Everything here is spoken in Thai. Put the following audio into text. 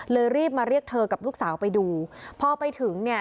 รีบมาเรียกเธอกับลูกสาวไปดูพอไปถึงเนี่ย